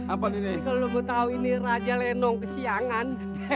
ini kalau kamu mau tahu ini raja lenong kesiangan